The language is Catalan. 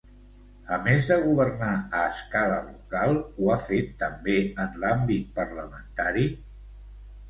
A més de governar a escala local, ho ha fet també en l'àmbit parlamentari?